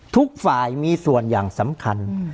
ทุกฝ่ายมีส่วนอย่างสำคัญ